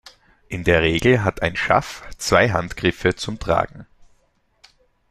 In der Regel hat ein Schaff zwei Handgriffe zum Tragen.